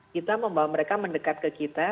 kita membawa mereka mendekat ke kita